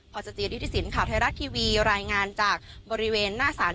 พอสจิริฐศิลปข่าวไทยรัฐทีวีรายงานจากบริเวณหน้าศาล